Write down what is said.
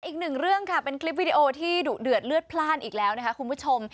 อีกหนึ่งเรื่องค่ะเป็นคลิปวิดีโอที่ดุเดือดเลือดพลาดอีกแล้วนะคะคุณผู้ชม